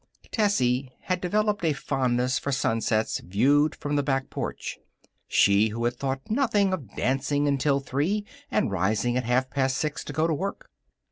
Tessie had developed a fondness for sunsets viewed from the back porch she who had thought nothing of dancing until three and rising at half past six to go to work.